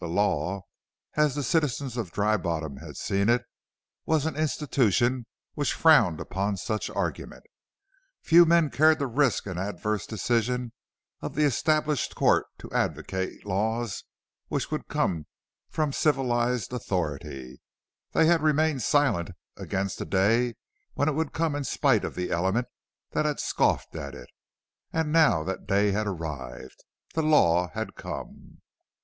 The law, as the citizens of Dry Bottom had seen it, was an institution which frowned upon such argument. Few men cared to risk an adverse decision of the established court to advocate laws which would come from civilized authority; they had remained silent against the day when it would come in spite of the element that had scoffed at it. And now that day had arrived. The Law had come.